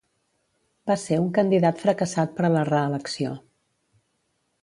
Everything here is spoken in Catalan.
Va ser un candidat fracassat per a la reelecció.